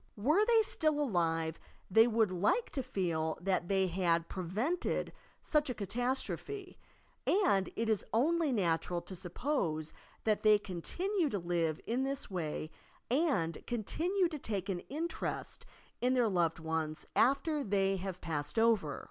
Were they still alive they would like to feel that they had prevented such a catastrophe, and it is only natural to suppose that they continue to live in this way and continue to take an interest in their loved ones after they have passed over.